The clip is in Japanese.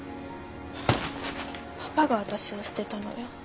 パパが私を捨てたのよ。